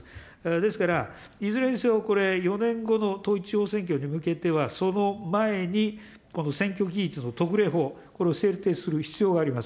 ですから、いずれにせよ、これ、４年後の統一地方選挙に向けては、その前に、選挙期日の特例法、これを制定する必要があります。